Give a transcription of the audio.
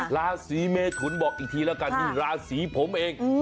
ราศีเมทุนบอกอีกทีแล้วกันนี่ราศีผมเอง